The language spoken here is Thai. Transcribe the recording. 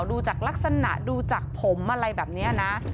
ดูจากลักษณะดูจากผมอะไรแบบนี้นะ